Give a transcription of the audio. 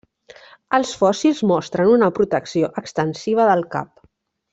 Els fòssils mostren una protecció extensiva del cap.